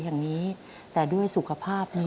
ทำงานชื่อนางหยาดฝนภูมิสุขอายุ๕๔ปี